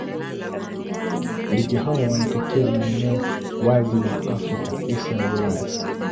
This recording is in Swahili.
Ndege hawa wanatokea maeneo wazi wa Afrika, Asia na Ulaya.